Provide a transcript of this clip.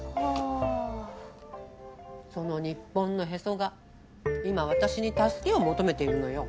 その日本のへそが今私に助けを求めているのよ。